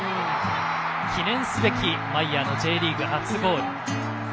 記念すべきマイヤーのＪリーグ初ゴール。